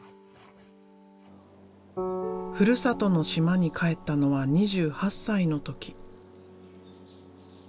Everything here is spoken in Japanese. ふるさとの島に帰ったのは２８歳の時。